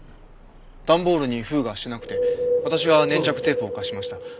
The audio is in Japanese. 段ボールに封がしてなくて私が粘着テープを貸しました。